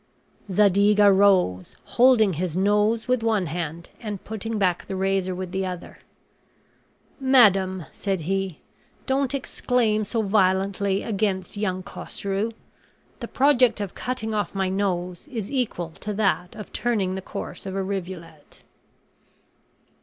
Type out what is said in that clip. Zadig arose, holding his nose with one hand, and, putting back the razor with the other, "Madam," said he, "don't exclaim so violently against young Cosrou; the project of cutting off my nose is equal to that of turning the course of a rivulet."